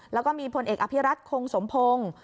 แล้วก็มีพลเอกอภิรัตคงสมพงศ์